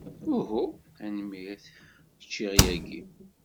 Uhu, tanemmirt. Ččiɣ yagi.